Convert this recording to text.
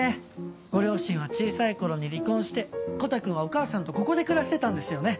ご両親は小さい頃に離婚してコタくんはお母さんとここで暮らしてたんですよね。